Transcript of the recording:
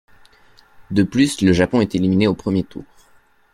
De plus, le Japon est éliminé au premier tour.